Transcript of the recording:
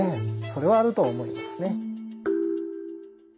それはあると思いますね。